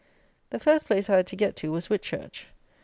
The first place I had to get to was Whitchurch.